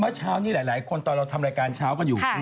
เมื่อเช้านี้หลายคนตอนเราทำรายการเช้ากันอยู่